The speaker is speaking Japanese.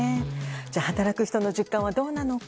働く人の実感はどうなのか